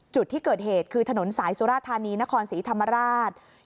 จุดที่เกิดเหตุคือถนนสายสุราธานีนครศรีธรรมราช